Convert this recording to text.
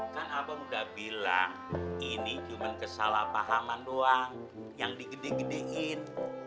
kan abang udah bilang ini cuma kesalahpahaman doang yang digede gedein